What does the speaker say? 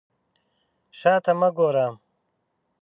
شا ته مه ګوره.